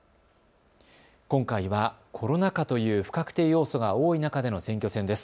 今回はコロナ禍という不確定要素が多い中での選挙戦です。